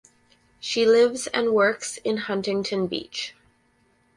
She lives and works in Huntington Beach.